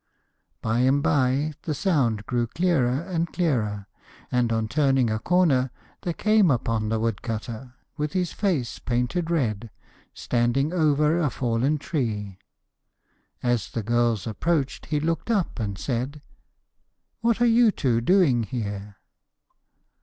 By and bye the sound grew clearer and clearer, and on turning a corner they came upon the woodcutter, with his face painted red, standing over a fallen tree. As the girls approached he looked up and said: 'What are you two doing here?'